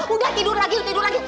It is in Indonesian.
udah tidur lagi udah tidur lagi